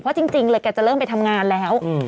เพราะจริงเลยแกจะเริ่มไปทำงานแล้ว